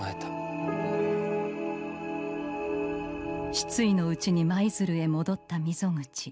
失意のうちに舞鶴へ戻った溝口。